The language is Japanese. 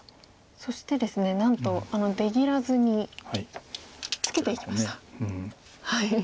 そしてですねなんと出切らずにツケていきました。